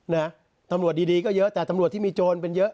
นะตำรวจดีดีก็เยอะแต่ตำรวจที่มีโจรเป็นเยอะ